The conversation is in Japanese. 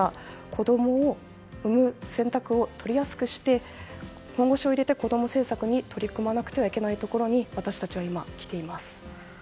子供を産む選択を取りやすくして本腰を入れて子供政策に取り組まなきゃいけないところに私たちは今、来ています。